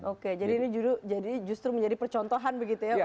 oke jadi ini justru menjadi percontohan begitu ya